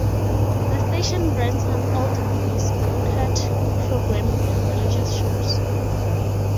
The station ran some old movies, brokered programming, and religious shows.